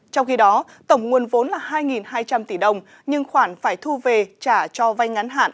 trong khi đó tổng nguồn vốn là hai hai trăm linh tỷ đồng nhưng khoản phải thu về trả cho vay ngắn hạn